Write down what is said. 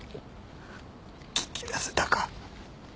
聞き出せたか？